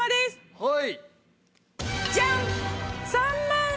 はい。